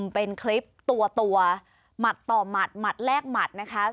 เป็นคลิปตัวหมัดต่อหมัดหมัดแรกหมัดนะคะ